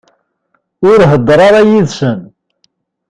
Ur heddeṛ ara yid-sen.